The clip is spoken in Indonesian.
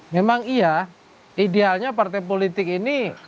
memang iya idealnya partai politik ini